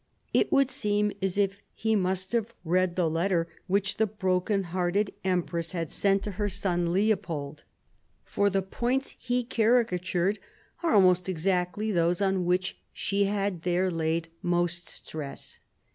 It would seem as if he must have read the letter which the broken hearted empress had sent to her son Leopold, 208 THE CO REGENTS chap, x for the points he caricatured are almost exactly those on which she had there laid most stress.